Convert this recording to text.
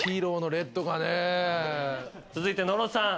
続いて野呂さん。